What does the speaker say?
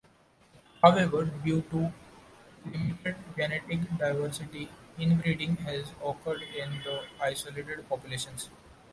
However, due to limited genetic diversity, inbreeding has occurred in these isolated populations.